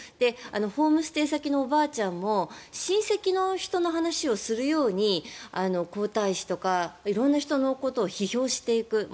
ホームステイ先のおばあちゃんも親戚の人の話をするように皇太子とか色んな人のことを批評していく。